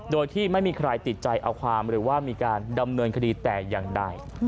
โดยที่ไม่มีใครติดใจเอาความหรือว่ามีการดำเนินคดีแต่อย่างใด